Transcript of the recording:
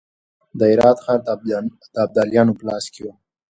د هرات ښار د ابدالیانو په لاس کې و.